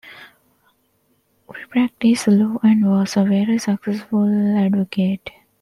He practised law and was a very successful advocate.